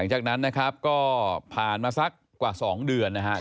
จากนั้นนะครับก็ผ่านมาสักกว่า๒เดือนนะครับ